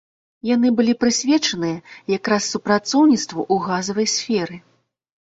Яны былі прысвечаныя якраз супрацоўніцтву ў газавай сферы.